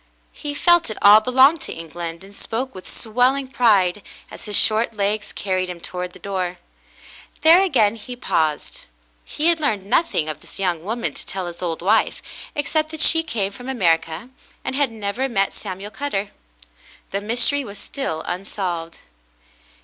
He felt it all belonged to England, and spoke with swelling pride as his short legs carried him toward the door. There again he paused. He had learned nothing of this young 270 The Mountain Girl woman to tell his old wife, except that she came from America, and had never met Samuel Cutter. The mystery was still unsolved.